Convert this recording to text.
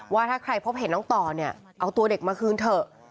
ว่าถ้าใครพบเห็นน้องต่อเนี่ยเอาตัวเด็กมาคืนเถอะ